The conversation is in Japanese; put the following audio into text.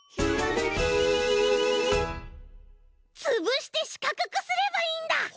つぶしてしかくくすればいいんだ。